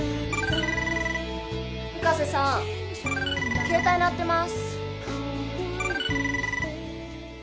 深瀬さん携帯鳴ってます